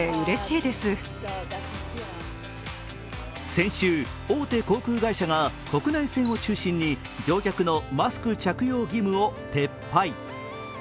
先週、大手航空会社が国内線を中心に乗客のマスク着用義務を撤廃。